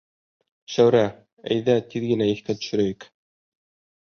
Шәүрә, әйҙә, тиҙ генә иҫкә төшөрәйек...